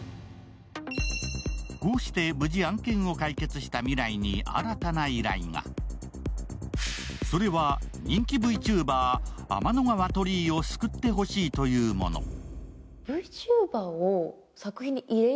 こうして無事、案件を解決した未来に新たな依頼が。それは人気Ｖチューバー天の川トリィを救ってほしいというもの。